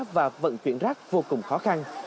và vận chuyển rác vô cùng khó khăn